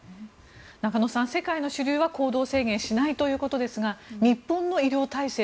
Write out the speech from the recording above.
中野さん、世界の主流は行動制限しないということですが日本の医療体制